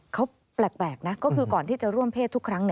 เขาแปลกนะก็คือก่อนที่จะร่วมเพศทุกครั้ง